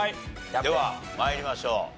では参りましょう。